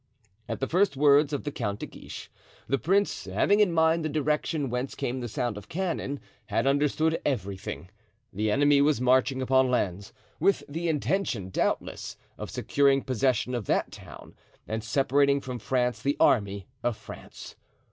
At the first words of the Count de Guiche, the prince, having in mind the direction whence came the sound of cannon, had understood everything. The enemy was marching upon Lens, with the intention, doubtless, of securing possession of that town and separating from France the army of France.